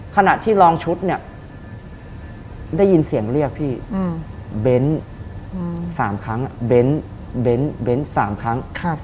ขณะที่ลองชุดเนี่ยได้ยินเสียงเรียกพี่เบ้น๓ครั้งเบ้น๓ครั้ง